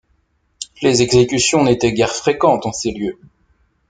Les exécutions n'étaient guère fréquentes en ces lieux.